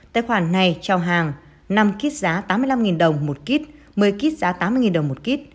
tài khoản này trao hàng năm kit giá tám mươi năm đồng một kit một mươi kit giá tám mươi đồng một kit